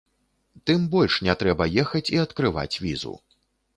Тым больш не трэба ехаць і адкрываць візу.